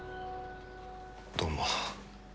どうも。